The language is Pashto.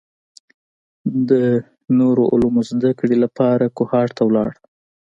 د نورو علومو زده کړې لپاره کوهاټ ته لاړ.